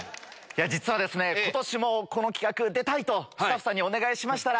実は今年もこの企画出たいとスタッフさんにお願いしましたら。